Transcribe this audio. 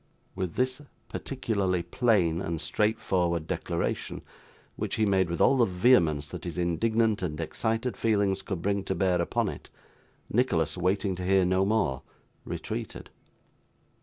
With this particularly plain and straightforward declaration, which he made with all the vehemence that his indignant and excited feelings could bring to bear upon it, Nicholas waiting to hear no more, retreated.